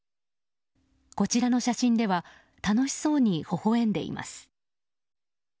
こちらの写真では楽しそうにほほ笑んでいます。